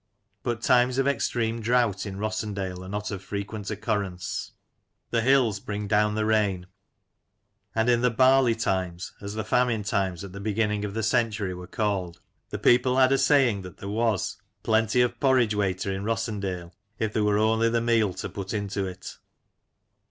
But times of extreme drought in Rossendale are not of frequent occur ; rence. The hills bring down the rain, and in the " Barley times," as the famine times at the beginning of the century^ were called, the people had a saying that there was " plenty of porridge wayter in Rossendale, if there wur only the meal to put into it."